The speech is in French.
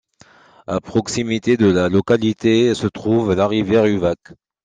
À proximité de la localité se trouve la rivière Uvac.